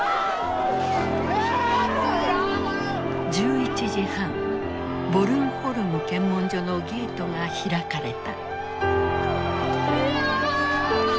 １１時半ボルンホルム検問所のゲートが開かれた。